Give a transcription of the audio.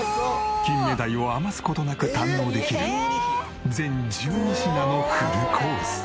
金目鯛を余す事なく堪能できる全１２品のフルコース。